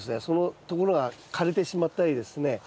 そのところが枯れてしまったりですね